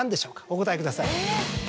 お答えください。